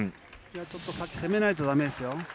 ちょっと先、攻めないとだめ